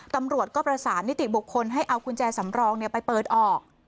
ตำรวจก็ประสานนิติบุคคลให้เอากุญแจสำรองไปเปิดออก